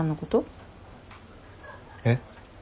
えっ？